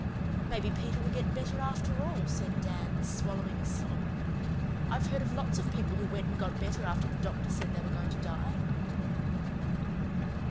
"Maybe Peter will get better after all," said Dan, swallowing a sob. "I've heard of lots of people who went and got better after the doctor said they were going to die."